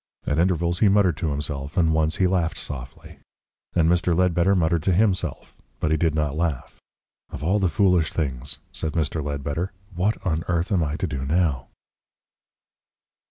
At intervals he muttered to himself, and once he laughed softly. And Mr. Ledbetter muttered to himself, but he did not laugh. "Of all the foolish things," said Mr. Ledbetter. "What on earth am I to do now?"